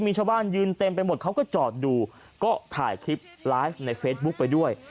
มีชาวบ้านยืนเต็มไปหมดเขาก็จอดดูก็ถ่ายคลิปไลฟ์ในเฟซบุ๊คไปด้วย